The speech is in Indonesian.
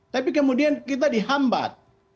tapi kemudian kita dihambat